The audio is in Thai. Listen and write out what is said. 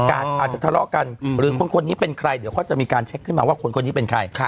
อาจจะทะเลาะกันหรือคนนี้เป็นใครเดี๋ยวเขาจะมีการเช็คขึ้นมาว่าคนคนนี้เป็นใคร